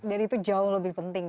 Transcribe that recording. dan itu jauh lebih penting